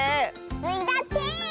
スイだって！